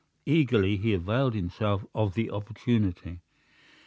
Eagerly he availed himself of the opportunity.